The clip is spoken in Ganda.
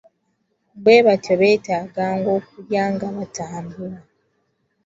Bwe batyo beetaaganga okulya nga batambula.